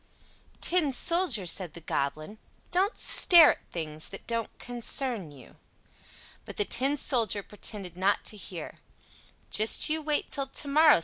"Tin Soldier," said the Goblin, "don't stare at things that don't concern you." But the Tin Soldier pretended not to hear him. "Just you wait till to morrow!"